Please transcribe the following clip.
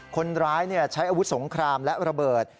คนร้ายใช้อาวุธสงครามและระเบิด